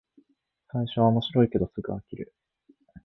最初は面白いけどすぐ飽きる